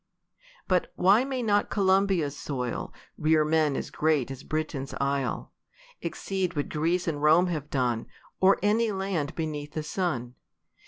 But why may not Columbia's soil Rear men as great as Britain's isle ; Exceed what Greece and Rome have done, Or any land beneath the sun